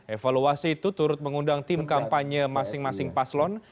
evaluasi itu turut mengundang tim kampanye masing masing paslon